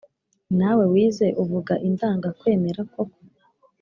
nawe wize uvuga indangakwemera koko?